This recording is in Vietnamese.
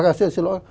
à xin lỗi